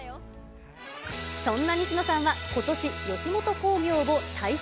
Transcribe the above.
そんな西野さんはことし、吉本興業を退所。